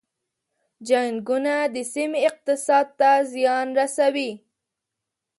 جنګونه د سیمې اقتصاد ته زیان رسوي.